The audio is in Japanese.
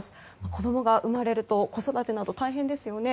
子供が生まれると子育てなど大変ですよね。